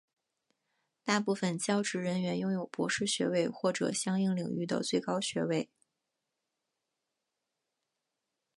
大部分教职人员拥有博士学位或者相应领域的最高学位。